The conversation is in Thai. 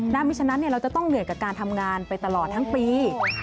เพราะฉะนั้นเราจะต้องเหนื่อยกับการทำงานไปตลอดทั้งปี